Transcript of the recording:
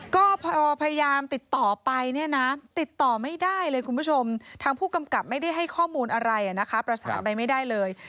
ก็พอพยายามติดต่อไปเนี่ยนะติดต่อไม่ได้เลยคุณผู้ชมทางผู้กำกับไม่ได้ให้ข้อมูลอะไรนะคะประสานไปไม่ได้เลย